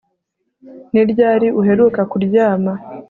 Ni ryari uheruka kuryama